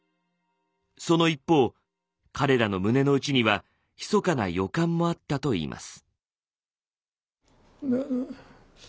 その一方彼らの胸の内にはひそかな予感もあったといいます。